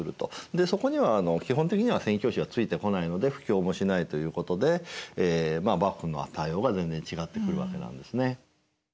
でそこには基本的には宣教師はついてこないので布教もしないということで幕府の対応が全然違ってくるわけなんですね。